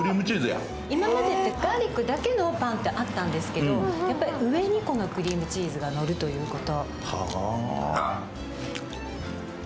今までってガーリックだけのパンってあったんですけど上にクリームチーズがのるということ。